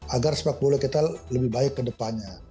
agar sebab boleh kita lebih baik kedepannya